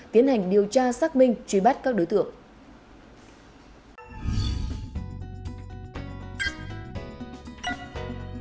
tiến hành điều tra xác minh truy bắt các đối tượng